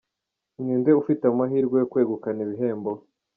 Ni nde ufite amahirwe yo kwegukana ibihembo?.